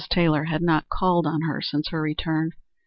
Taylor had not called on her since her return.